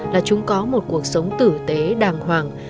là chúng có một cuộc sống tử tế đàng hoàng